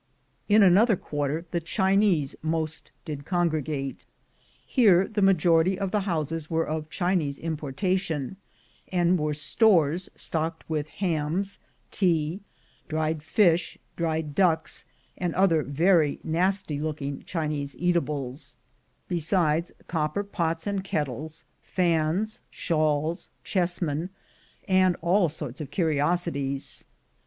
In another quarter the Chinese most did congre gate. Here the majority of the houses were of Chinese importation, and were stores, stocked with hams, tea, dried fish, dried ducks, and other very nasty looking Chinese eatables, besides copper pots 82 THE GOLD HUNTERS and kettles, fans, shawls, chessmen, and all sorts of curiosities.